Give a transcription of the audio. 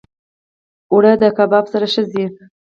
اوړه د کباب سره ښه ځي